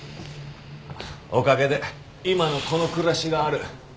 おかげで今のこの暮らしがある。